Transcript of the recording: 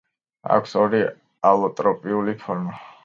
აქვს ორი ალოტროპიული ფორმა.